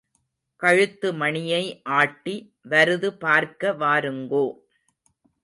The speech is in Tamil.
கழுத்து மணியை ஆட்டி வருது பார்க்க வாருங்கோ.